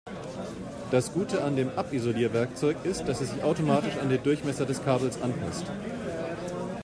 Das Gute an dem Abisolierwerkzeug ist, dass es sich automatisch an den Durchmesser des Kabels anpasst.